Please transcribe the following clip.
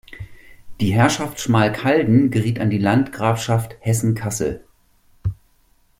Die "Herrschaft Schmalkalden" geriet an die Landgrafschaft Hessen-Kassel.